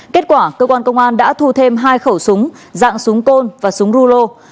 kết quả cơ quan công an đã thu thêm hai khẩu súng dạng súng côn và súng rulo